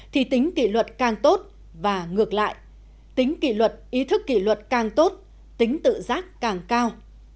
thì tính kỷ luật càng tốt và ngược lại tính kỷ luật ý thức kỷ luật càng tốt tính tự giác càng cao